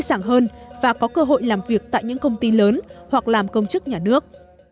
dàng hơn và có cơ hội làm việc tại những công ty lớn hoặc làm công chức nhà nước